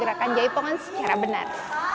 gerakan jaipongan secara benar